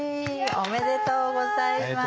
おめでとうございます！